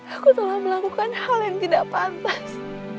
aku telah melakukan hal yang tidak pantas